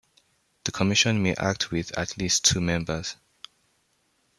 The Commission may act with at least two members.